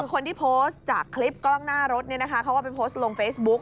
คือคนที่โพสต์จากคลิปกล้องหน้ารถเนี่ยนะคะเขาว่าไปโพสต์ลงเฟซบุ๊ค